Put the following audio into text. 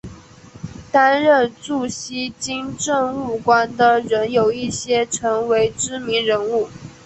担任驻锡金政务官的人有一些成为知名人物。